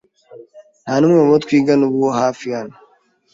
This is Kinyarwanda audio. Nta n'umwe mu bo twigana uba hafi hano.